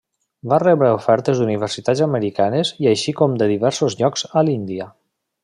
Va rebre ofertes d'universitats americanes i així com de diversos llocs a l'Índia.